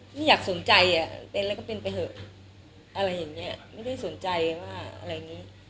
ไม่อยากสนใจอ่ะเป็นแล้วก็เป็นไปเถอะอะไรอย่างนี้ไม่ได้สนใจว่าอะไรอย่างนี้